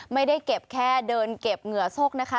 ไม่ได้เก็บแค่เดินเก็บเหงื่อซกนะคะ